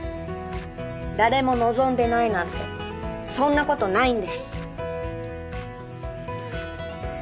誰も望んでないなんてそんなことないんです！